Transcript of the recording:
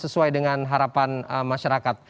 sesuai dengan harapan masyarakat